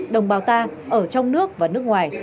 đồng bào ta ở trong nước và nước ngoài